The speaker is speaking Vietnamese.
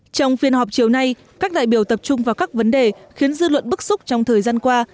trong phiên họp chiều nay các đại biểu tập trung vào các vấn đề khiến dư luận bức xúc trong thời gian qua